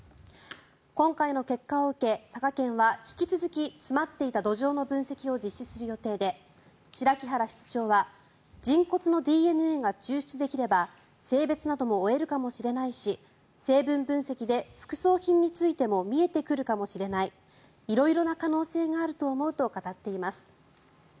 今回の結果を受け、佐賀県は引き続き詰まっていた土壌の分析を実施する予定で白木原室長は人骨のＤＮＡが抽出できれば性別なども追えるかもしれないし成分分析で副葬品についても見えてくるかもしれない色々な可能性があると思うと語っています。